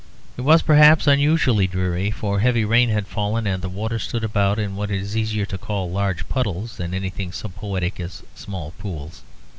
It was perhaps unusually dreary; for heavy rain had fallen; and the water stood about in what it is easier to call large puddles than anything so poetic as small pools.